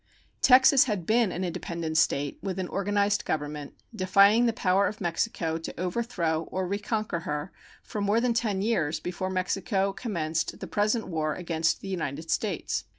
Texas had been an independent state, with an organized government, defying the power of Mexico to overthrow or reconquer her, for more than ten years before Mexico commenced the present war against the United States.